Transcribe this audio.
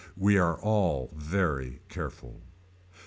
We are all very careful.